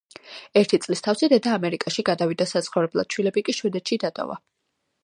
ერთი წლის თავზე დედა ამერიკაში გადავიდა საცხოვრებლად, შვილები კი შვედეთში დატოვა.